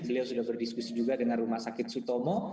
beliau sudah berdiskusi juga dengan rumah sakit sutomo